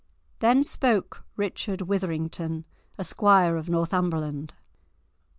Then spoke Richard Witherington, a squire of Northumberland.